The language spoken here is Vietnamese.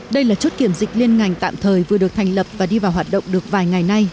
đây là chốt kiểm dịch liên ngành tạm thời vừa được thành lập và đi vào hoạt động được vài ngày nay